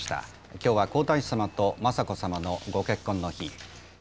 今日は皇太子さまと雅子さまのご結婚の日。